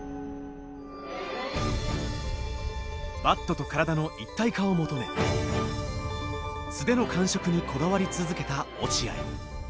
バットと体の一体化を求め素手の感触にこだわり続けた落合。